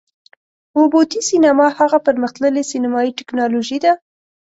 اووه بعدی سینما هغه پر مختللې سینمایي ټیکنالوژي ده،